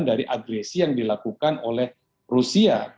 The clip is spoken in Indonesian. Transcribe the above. dari agresi yang dilakukan oleh rusia